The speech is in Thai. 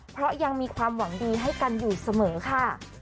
เพราะยังมีความหวังดีให้กันอยู่เสมอค่ะ